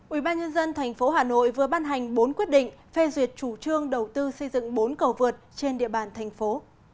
ubnd tp hà nội vừa ban hành bốn quyết định phê duyệt chủ trương đầu tư xây dựng bốn cầu vượt trên địa bàn thành phố